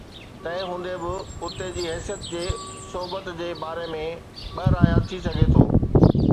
تنهن هوندي به، اتي جي حيثيت جي صحبت جي باري ۾ ٻه رايا ٿي سگهي ٿو.